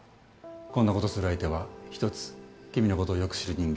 こんな事をする相手は一つ君の事をよく知る人間。